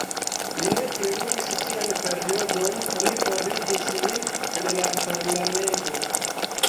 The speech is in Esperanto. Li ne plenumis sian periodon, oni forigis lin el la parlamento.